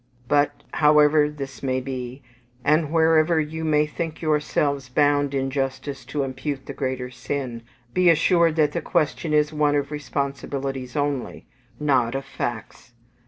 But, however this may be, and wherever you may think yourselves bound in justice to impute the greater sin, be assured that the question is one of responsibilities only, not of facts.